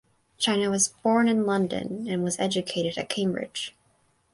China was born in London and was educated at Cambridge.